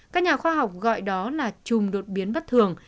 các nhà khoa học gọi đó là chùm đột biến bất thường